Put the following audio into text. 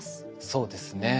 そうですね。